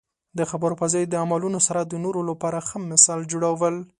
د خبرو په ځای د عملونو سره د نورو لپاره ښه مثال جوړول.